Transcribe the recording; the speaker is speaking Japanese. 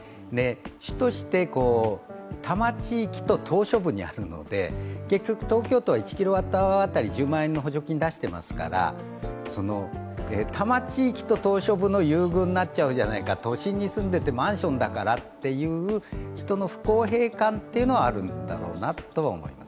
主として、多摩地域と島嶼部にあるので東京都は１キロワットアワー当たり１０万円の補助金を出してますから多摩地域と島しょ部の優遇になっちゃうじゃないか、都心に住んでてマンションだという人との不公平感はあるんだろうなと思います。